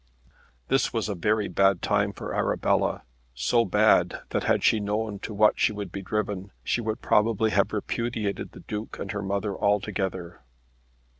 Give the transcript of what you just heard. This was a very bad time for Arabella, so bad, that had she known to what she would be driven, she would probably have repudiated the Duke and her mother altogether.